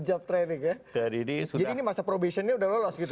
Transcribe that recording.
jadi ini masa probationnya sudah lolos gitu ya